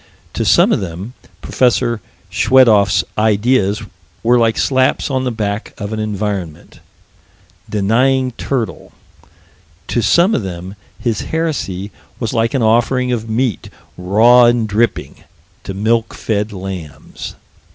To some of them Prof. Schwedoff's ideas were like slaps on the back of an environment denying turtle: to some of them his heresy was like an offering of meat, raw and dripping, to milk fed lambs.